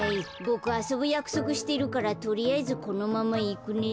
ボクあそぶやくそくしてるからとりあえずこのままいくね。